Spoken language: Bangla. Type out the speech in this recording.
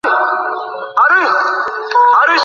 তিনি ঐ অঞ্চলে বেশ কিছু প্রাথমিক ও উচ্চ বিস্যালয় স্থাপন করেন।